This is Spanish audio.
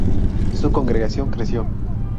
Su congregación creció.